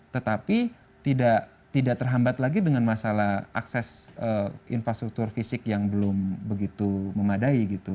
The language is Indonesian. tetapi tidak terhambat lagi dengan masalah akses infrastruktur fisik yang belum begitu memadai gitu